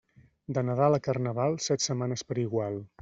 De Nadal a Carnaval, set setmanes per igual.